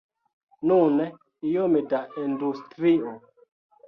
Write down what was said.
Nune iome da industrio.